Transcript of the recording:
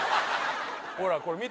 ほらこれ見て。